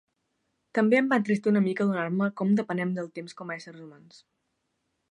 També em va entristir una mica adonar-me com depenem del temps com a éssers humans.